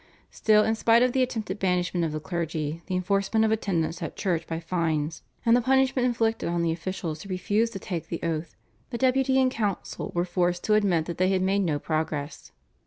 Still in spite of the attempted banishment of the clergy, the enforcement of attendance at church by fines, and the punishment inflicted on the officials who refused to take the oath, the Deputy and council were forced to admit that they had made no progress.